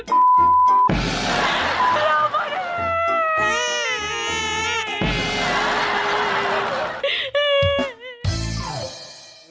เราผ่